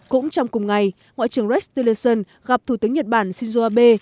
cũng trong cùng ngày ngoại trưởng rex tillerson gặp thủ tướng nhật bản shinzo abe